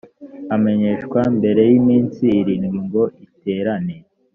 amenyeshwa mbere y’iminsi irindwi ngo iterane